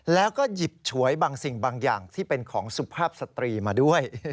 แล้วก็หยิบฉวยบางสิ่งบางอย่างที่เป็นของสุภาพสตรีมาด้วย